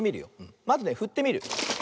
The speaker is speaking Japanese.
まずねふってみる。